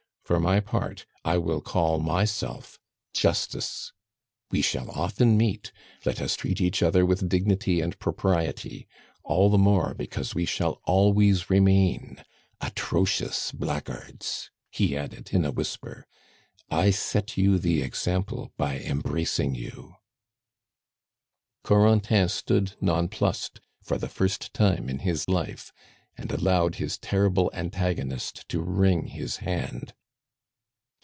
For my part, I will call myself Justice. We shall often meet; let us treat each other with dignity and propriety all the more because we shall always remain atrocious blackguards," he added in a whisper. "I set you the example by embracing you " Corentin stood nonplussed for the first time in his life, and allowed his terrible antagonist to wring his hand.